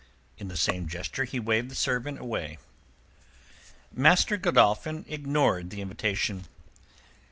In the same gesture he waved the servant away. Master Godolphin ignored the invitation.